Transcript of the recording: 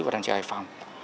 và đàn trời hải phòng